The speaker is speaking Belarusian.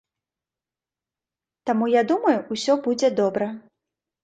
Таму, я думаю, усё будзе добра.